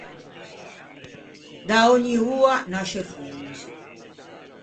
Da ògni oa nasce fonzi.